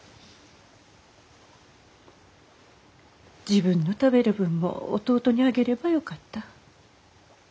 自分の食べる分も弟にあげればよかった。